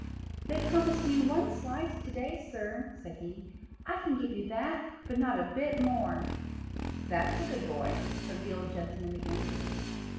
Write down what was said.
"They promised me one slice to day, sir," said he; "I can give you that, but not a bit more." "That's a good boy," said the old gentleman again.